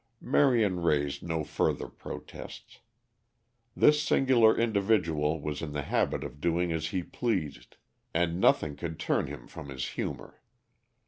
Marion raised no further protests. This singular individual was in the habit of doing as he pleased, and nothing could turn him from his humor.